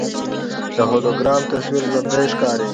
د هولوګرام تصویر ژوندی ښکاري.